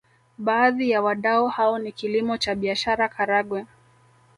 Baadhi ya wadau hao ni kilimo cha biashara Karagwe